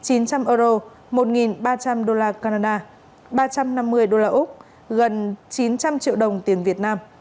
chín trăm linh euro một ba trăm linh đô la canada ba trăm năm mươi đô la úc gần chín trăm linh triệu đồng tiền việt nam